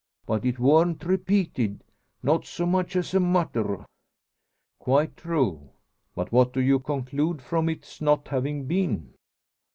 But it worn't repeated not so much as a mutter." "Quite true. But what do you conclude from its not having been?"